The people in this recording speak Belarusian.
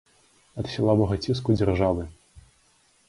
Ад сілавога ціску дзяржавы!